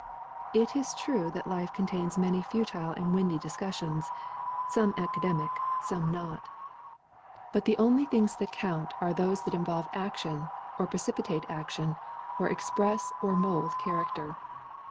It is true that life contains many fu tile and windy discussions, some academic, some not; but the only things that count are those which involve HELEN R. MARTIN 217 action or precipitate action or express or mold char acter.